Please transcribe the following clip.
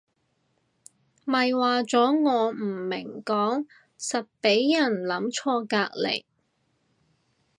咪話咗我唔明講實畀人諗錯隔離